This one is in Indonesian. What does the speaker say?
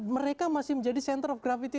mereka masih menjadi center of gravity